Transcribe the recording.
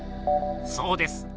そうです。